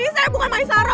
ini saya bukan maisaroh